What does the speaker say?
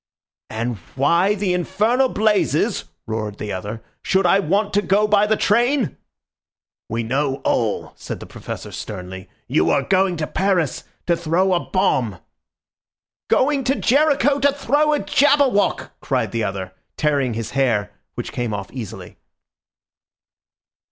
"And why the infernal blazes," roared the other, "should I want to go by the train?" "We know all," said the Professor sternly. "You are going to Paris to throw a bomb!" "Going to Jericho to throw a Jabberwock!" cried the other, tearing his hair, which came off easily.